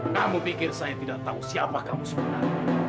kamu pikir saya tidak tahu siapa kamu sebenarnya